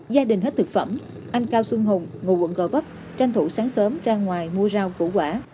gia đình hết thực phẩm anh cao xuân hùng ngụ quận gò vấp tranh thủ sáng sớm ra ngoài mua rau củ quả